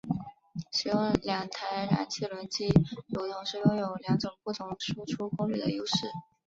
使用两台燃气轮机有同时拥有两种不同输出功率的优势。